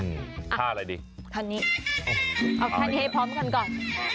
ท่าอะไรดีท่านนี้ท่านให้พร้อมกันก่อน